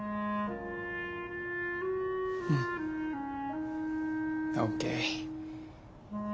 うん。ＯＫ。